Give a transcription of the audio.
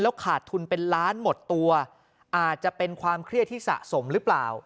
ขาดทุนเป็นล้านหมดตัวอาจจะเป็นความเครียดที่สะสมหรือเปล่า